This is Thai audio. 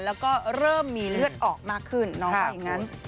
แล้วก็เริ่มมีเลือดออกมากขึ้นน้องว่าอย่างนั้น